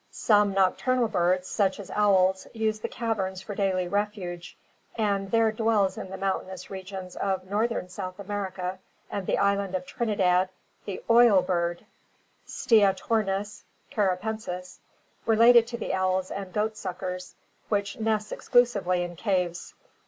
Some nocturnal birds such as owls use the caverns for daily refuge, and there dwells in the mountainous regions of northern South America and the island of Trinidad the "oil bird," Steatornis caripensis, related to the owls and goat suckers, which nests exclusively in caves.